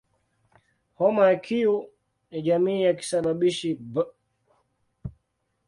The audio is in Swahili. Homa ya Q ni jamii ya kisababishi "B".